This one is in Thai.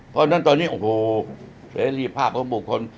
เพราะฉะนั้นตอนนี้โอ้โหเสรีภาพของบุคคล